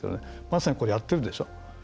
まさに、これやってるでしょ。